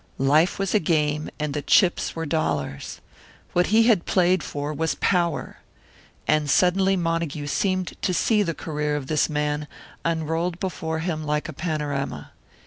Life was a game, and the chips were dollars! What he had played for was power! And suddenly Montague seemed to see the career of this man, unrolled before him like a panorama.